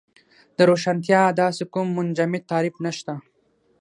د روښانتیا داسې کوم منجمد تعریف نشته.